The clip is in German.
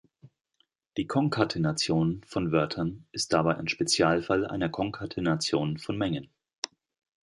Die Konkatenation von Wörtern ist dabei ein Spezialfall einer Konkatenation von Mengen.